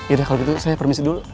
yaudah kalau gitu saya permisi dulu